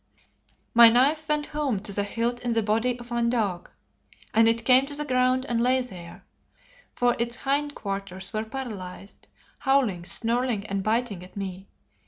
My knife went home to the hilt in the body of one dog and it came to the ground and lay there for its hindquarters were paralysed, howling, snarling and biting at me.